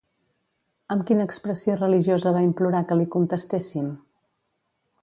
Amb quina expressió religiosa va implorar que li contestessin?